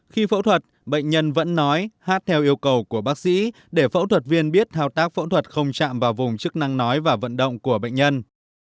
khi phẫu thuật bệnh nhân vẫn nói hát theo yêu cầu của bác sĩ để phẫu thuật viên biết thao tác phẫu thuật không chạm vào vùng chức năng nói và vận động của bệnh nhân